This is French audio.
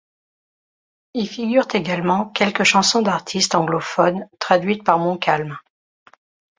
Y figurent également quelques chansons d'artistes anglophones traduites par Montcalm.